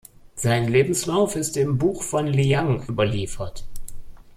Sein Lebenslauf ist im "Buch von Liang" überliefert.